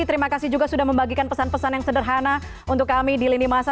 terima kasih juga sudah membagikan pesan pesan yang sederhana untuk kami di lini masa